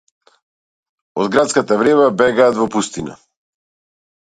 Од градската врева бегаат во пустина